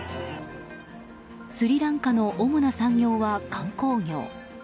スリランカの主な産業は観光業。